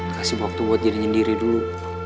kasih waktu buat jadiin diri dulu